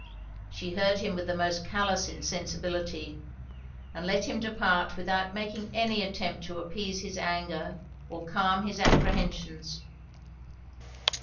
She heard him with the most callous insensibility; and let him depart without making any attempt to appease his anger or calm his apprehensions.